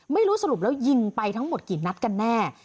ไม่รู้สรุปแล้วยิงไปทั้งหมดกี่นัดกันแน่